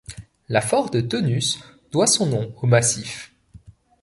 La Ford Taunus doit son nom au massif.